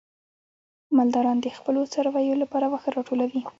مالداران د خپلو څارویو لپاره واښه راټولوي.